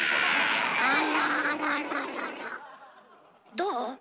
どう？